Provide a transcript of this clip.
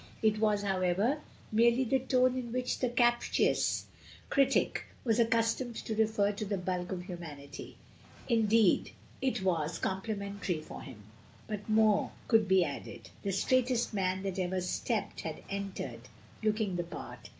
It was, however, merely the tone in which that captious critic was accustomed to refer to the bulk of humanity; indeed, it was complimentary for him. Before more could be added, "the straightest man that ever stepped" had entered, looking the part.